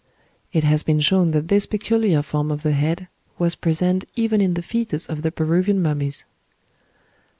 It has been shown that this peculiar form of the head was present even in the foetus of the Peruvian mummies.